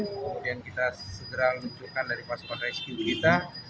kemudian kita segera luncurkan dari pasukan rescue kita